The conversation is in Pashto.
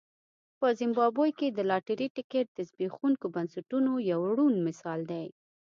په زیمبابوې کې د لاټرۍ ټکټ د زبېښونکو بنسټونو یو روڼ مثال دی.